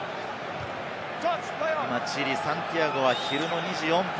チリ・サンティアゴは昼の２時４分。